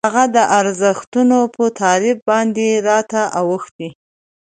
هغه د ارزښتونو په تعریف باندې راته اوښتي.